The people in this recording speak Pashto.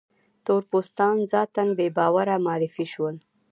تور پوستان ذاتاً بې باوره معرفي شول.